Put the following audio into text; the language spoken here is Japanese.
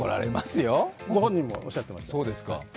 御本人もおっしゃっていました。